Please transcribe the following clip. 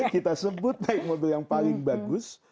kita sebut naik mobil yang paling bagus